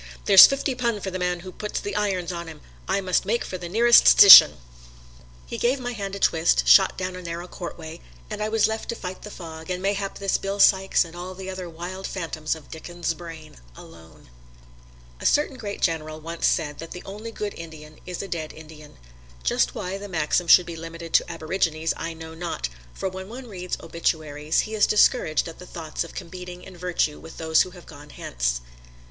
There 's fifty pun for the man who puts the irons on 'im I must make for the nearest stishun." He gave my hand a twist, shot down a narrow courtway and I was left to fight the fog, and mayhap this Bill Sykes and all the other wild phantoms of Dickens' brain, alone. A certain great general once said that the only good Indian is a dead Indian. Just why the maxim should be limited to aborigines I know not, for when one reads obituaries he is discouraged at the thoughts of competing in virtue with those who have gone hence.